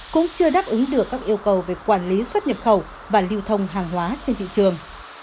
cũng chưa đáp ứng được các yêu cầu về quản lý xuất nhập khẩu và lưu thông hàng hóa trên thị trường